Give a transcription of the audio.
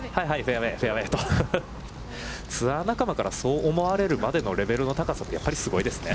ツアー仲間からそう思われるまでのレベルの高さってやっぱりすごいですね。